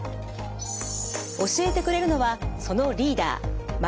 教えてくれるのはそのリーダー松延毅さん。